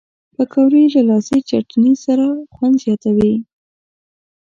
پکورې له لاسي چټني سره خوند زیاتوي